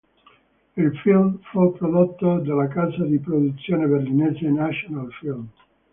Il film fu prodotto dalla casa di produzione berlinese National-Film.